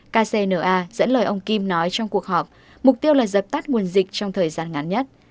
kcna dẫn lời ông kim nói trong cuộc họp mục tiêu là dập tắt nguồn dịch trong thời gian ngắn nhất